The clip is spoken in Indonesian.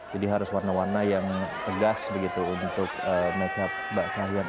jadi harus warna warna yang tegas begitu untuk makeup mbak kahyang